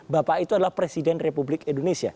bapak itu adalah presiden republik indonesia